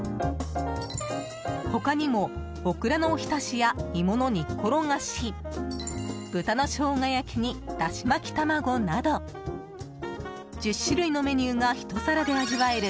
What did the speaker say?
他にも、オクラのおひたしや芋の煮っころがし豚肉の生姜焼きにだし巻き卵など１０種類のメニューが１皿で味わえる